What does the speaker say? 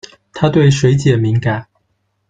它对水解敏感。